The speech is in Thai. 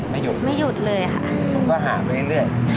ไม่หยุดไม่หยุดเลยค่ะแล้วก็หาไปเรื่อยกว่า